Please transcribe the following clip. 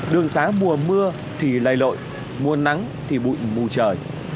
đường xá mùa mưa thì lây lội mùa nắng thì bụi mù trời